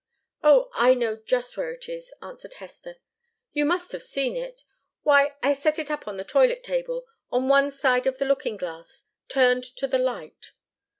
"Oh I know just where it is," answered Hester. "You must have seen it why, I set it up on the toilet table, on one side of the looking glass, turned to the light."